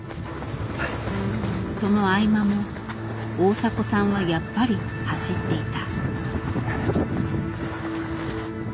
その合間も大迫さんはやっぱり走っていた。